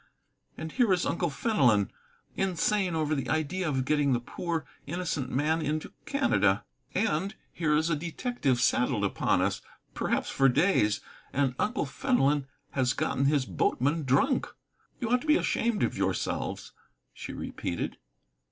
And here is Uncle Fenelon insane over the idea of getting the poor, innocent man into Canada. And here is a detective saddled upon us, perhaps for days, and Uncle Fenelon has gotten his boatman drunk. You ought to be ashamed of yourselves," she repeated.